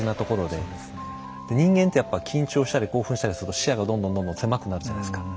で人間ってやっぱ緊張したり興奮したりすると視野がどんどんどんどん狭くなるじゃないですか。